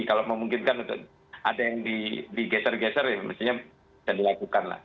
kalau memungkinkan untuk ada yang digeser geser ya mestinya bisa dilakukan lah